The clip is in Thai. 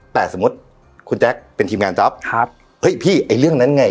แต่สมมุติคุณแจ๊คเป็นทีมงานจ๊อปครับเฮ้ยพี่ไอ้เรื่องนั้นไง